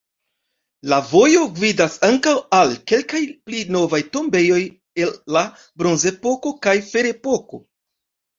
La vojo gvidas ankaŭ al kelkaj pli novaj tombejoj el la bronzepoko kaj ferepoko.